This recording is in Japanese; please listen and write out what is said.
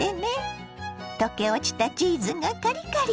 溶け落ちたチーズがカリカリ！